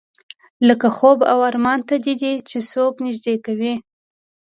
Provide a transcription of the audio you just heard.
لکه خوب او ارمان ته دې چې څوک نږدې کوي.